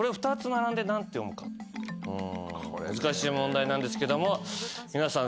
難しい問題なんですけども。